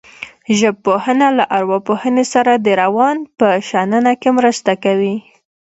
ژبپوهنه له ارواپوهنې سره د روان په شننه کې مرسته کوي